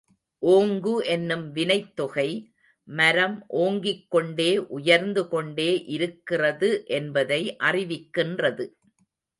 ஓங்கு என்னும் வினைத் தொகை, மரம் ஓங்கிக் கொண்டே உயர்ந்து கொண்டே இருக்கிறது என்பதை அறிவிக்கின்றது.